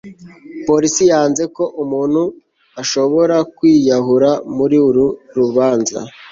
polisi yanze ko umuntu ashobora kwiyahura muri uru rubanza